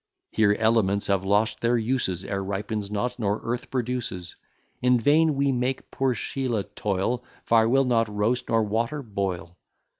Here elements have lost their uses, Air ripens not, nor earth produces: In vain we make poor Sheelah toil, Fire will not roast, nor water boil.